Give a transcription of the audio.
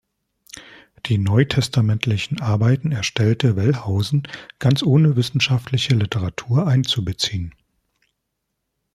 Die neutestamentlichen Arbeiten erstellte Wellhausen, ganz ohne wissenschaftliche Literatur einzubeziehen.